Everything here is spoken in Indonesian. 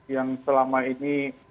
yang selama ini